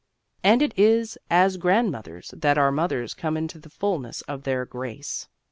And it is as grandmothers that our mothers come into the fullness of their grace.